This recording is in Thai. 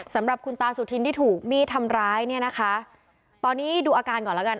สำหรับคุณตาสุธินที่ถูกมีดทำร้ายเนี่ยนะคะตอนนี้ดูอาการก่อนแล้วกัน